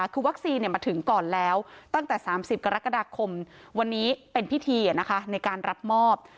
คือวัคซีนมาถึงก่อนแล้วตั้งแต่๓๐กรกฎาคมวันนี้เป็นพิธีในการรับมอบ